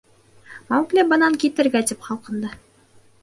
Маугли бынан китергә тип ҡалҡынды.